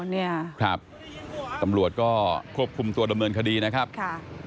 เนี่ยครับตำรวจก็ควบคุมตัวดำเนินคดีนะครับค่ะ